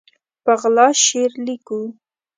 په غلا شعر لیکو